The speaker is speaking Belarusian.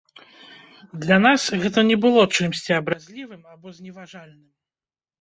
Для нас гэта не было чымсьці абразлівым або зневажальным.